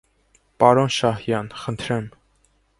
- Պարոն Շահյան, խնդրեմ: